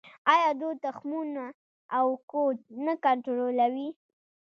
آیا دوی تخمونه او کود نه کنټرولوي؟